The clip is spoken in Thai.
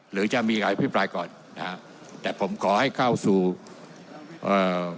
หรือจะมีการอภิปรายก่อนนะฮะแต่ผมขอให้เข้าสู่เอ่อ